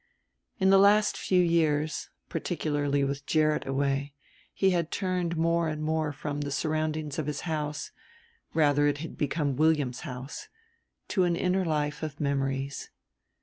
In the last few years, particularly with Gerrit away, he had turned more and more from the surroundings of his house rather it had become William's house to an inner life of memories.